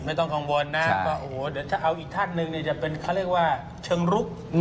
ไม่ต้องกังวลนะก็โอ้โหเดี๋ยวถ้าเอาอีกท่านหนึ่งเนี่ยจะเป็นเขาเรียกว่าเชิงลุก